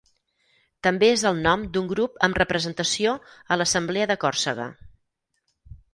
També és el nom d'un grup amb representació a l'Assemblea de Còrsega.